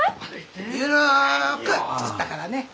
ゆるく作ったからね。